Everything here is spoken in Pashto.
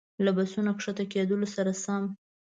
له بسونو ښکته کېدلو سره سم.